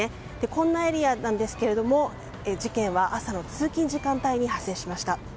こんなエリアなんですが事件は朝の通勤時間帯に発生しました。